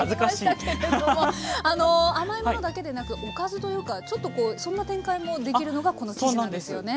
あの甘い物だけでなくおかずというかちょっとそんな展開もできるのがこの生地なんですよね。